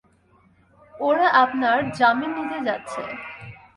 ওরা আপনার জামিন নিতে যাচ্ছে।